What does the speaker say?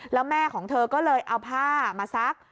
แล้วแม่ของเธอก็เลยเอาผ้ามาซัก